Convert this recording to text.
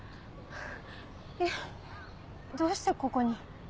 えっどうしてここに？